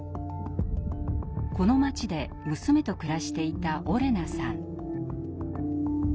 この街で娘と暮らしていたオレナさん。